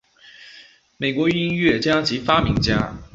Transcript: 美国音乐家及发明家。